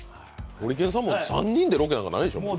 ホリケンさんも３人でロケとかないでしょう？